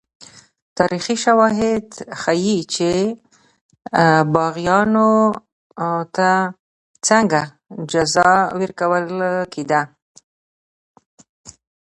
تاریخي شواهد ښيي چې باغیانو ته څنګه جزا ورکول کېده.